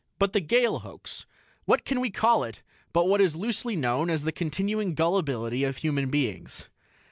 But the Gale Hoax what can we call it but what is loosely known as the continuing gullibility of human beings?